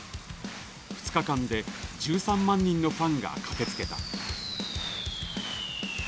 ２日間で１３万人のファンが駆けつけた。